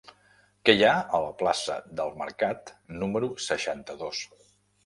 Què hi ha a la plaça del Mercat número seixanta-dos?